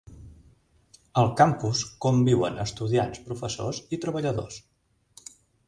Al Campus conviuen estudiants, professors i treballadors